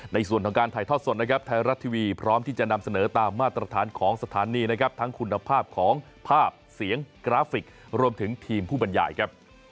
ในส่วนของการถ่ายทอดสดนะครับไทยรัฐทีวีพร้อมที่จะนำเสนอตามมาตรฐานของสถานีนะครับทั้งคุณภาพของภาพเสียงกราฟิกรวมถึงทีมผู้บรรยายครับ